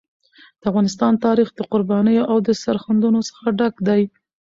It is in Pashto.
د افغانستان تاریخ د قربانیو او سرښندنو څخه ډک دی.